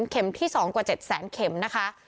เข็มที่๒กว่า๗แสนเข็มนะคะ